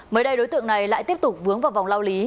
mới đây đối tượng này lại tiếp tục vướng vào vòng lao lý